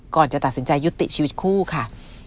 ก่อนจะตัดสินใจยุติชีวิตคู่ค่ะ